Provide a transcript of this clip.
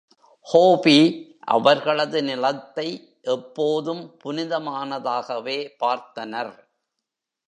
ஹோபி அவர்களது நிலத்தை எப்போதும் புனிதமானதாகவே பார்த்தனர்.